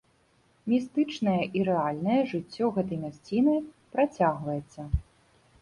Містычнае і рэальнае жыццё гэтай мясціны працягваецца.